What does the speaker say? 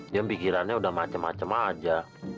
dia pikirannya udah macem macem aja